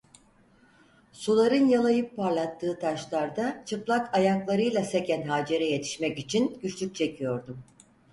Suların yalayıp parlattığı taşlarda çıplak ayaklarıyla seken Hacer'e yetişmek için güçlük çekiyordum.